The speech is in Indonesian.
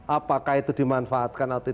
apakah itu dimanfaatkan atau tidak